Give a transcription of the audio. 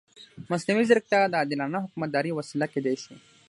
مصنوعي ځیرکتیا د عادلانه حکومتدارۍ وسیله کېدای شي.